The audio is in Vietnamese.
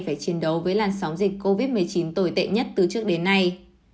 phải chiến đấu với làn sóng dịch covid một mươi chín tồi tệ nhất từ trước đến nay